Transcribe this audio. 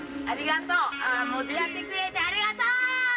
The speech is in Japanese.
ああもう出会ってくれてありがとう！